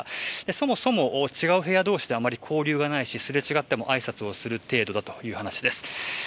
そもそも違う部屋同士であまり交流がないしすれ違ってもあいさつをする程度だということです。